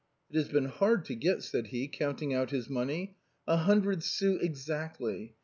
" It has been hard to get," said he, counting out his money. "A hundred sous exactly.